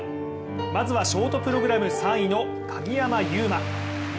まずはショートプログラム３位の鍵山優真。